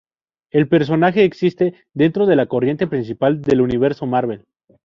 El personaje existe dentro de la corriente principal del Universo Marvel.